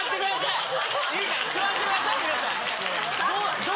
いいから座ってください皆さん。